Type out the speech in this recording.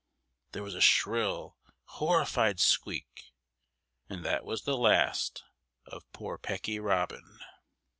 There was a shrill, horrified squeak, and that was the last of poor Pecky Robin.